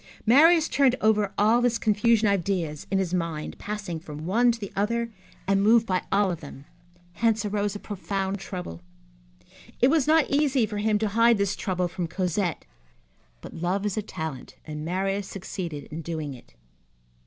Marius turned over all this confusion of ideas in his mind, passing from one to the other, and moved by all of them. Hence arose a profound trouble. It was not easy for him to hide this trouble from Cosette, but love is a talent, and Marius succeeded in doing it.